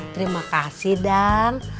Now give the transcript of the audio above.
terima kasih dan